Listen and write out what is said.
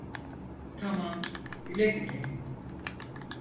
Tamam, güle güle.